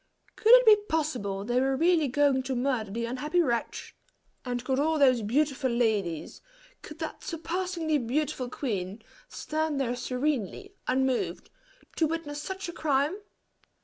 Could it be possible they were really going to murder the unhappy wretch? and could all those beautiful ladies could that surpassingly beautiful queen, stand there serenely unmoved, to witness such a crime?